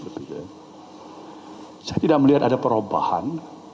saya tidak melihat ada perubahan